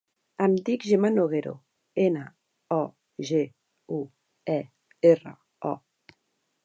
Em dic Gemma Noguero: ena, o, ge, u, e, erra, o.